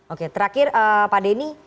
oke terakhir pak denny